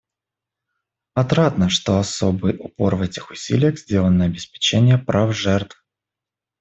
Отрадно, что особый упор в этих усилиях сделан на обеспечении прав жертв.